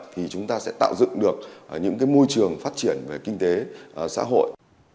thì chúng ta sẽ tạo dựng được những môi trường phát triển về kinh tế xã hội